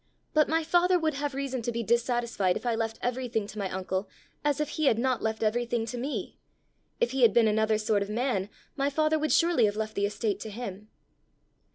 But my father would have reason to be dissatisfied if I left everything to my uncle as if he had not left everything to me. If he had been another sort of man, my father would surely have left the estate to him!"